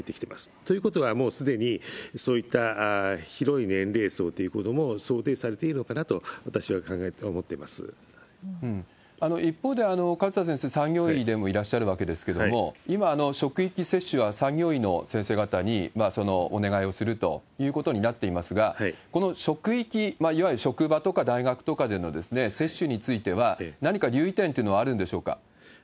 ということは、もうすでにそういった広い年齢層ということも想定されているのか一方で勝田先生、産業医でもいらっしゃるわけですけれども、今、職域接種は産業医の先生方にお願いをするということになっていますが、この職域、いわゆる職場とか大学とかでの接種については、何か留意点というのはあるんでしょうか？